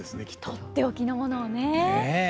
取って置きのものをね。